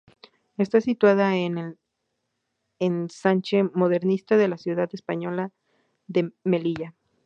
Está situada en el Ensanche Modernista de la ciudad española de Melilla.